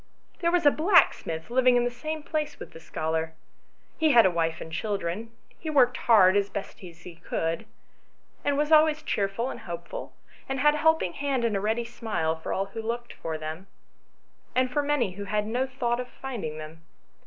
" There was a blacksmith living in the same place with the scholar," she said. " He had a wife and children ; he worked hard, as best he could, and was always XIL] IN THE PORCH. 143 cheerful and hopeful, and had a helping hand and a ready smile for all who looked for them, and for many who had no thought of finding them.